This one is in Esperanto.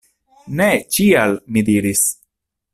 Ne, ĉial! mi diris.